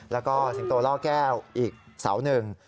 แล้วก็สิงโตล่อแก้วอีกเสาหนึ่ง